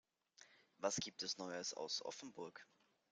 Was gibt es neues aus Offenburg?